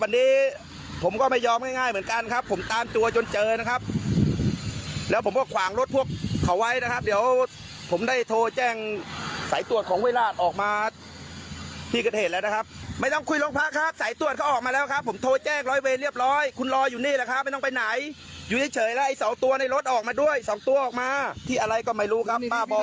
นี่คุณผู้ชมบ้าบอเขาแตกทิศักดิ์บ้าบออะไรครับ